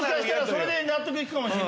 それで納得行くかも。